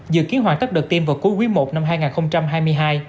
dự kiến hoàn tất đợt tiêm vào cuối quý i năm hai nghìn hai mươi hai